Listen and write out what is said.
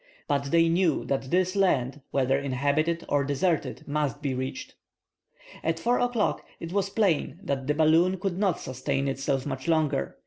But they knew that this land, whether inhabited or desert, must be reached. At 4 o'clock it was plain that the balloon could not sustain itself much longer.